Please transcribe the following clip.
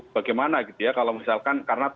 bagaimana kalau misalkan karena